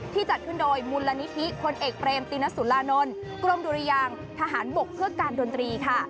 จัดขึ้นโดยมูลนิธิพลเอกเปรมตินสุรานนท์กรมดุรยางทหารบกเพื่อการดนตรีค่ะ